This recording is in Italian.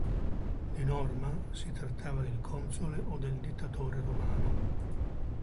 Di norma, si trattava del console o del dittatore romano.